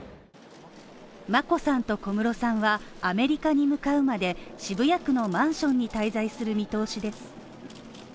眞子さんと小室さんはアメリカに向かうまで渋谷区のマンションに滞在する見通しです。